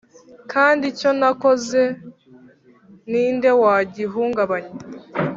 kandi icyo nakoze, ni nde wagihungabanya?